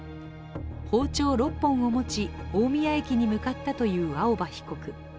包丁６本を持ち大宮駅に向かったという青葉被告。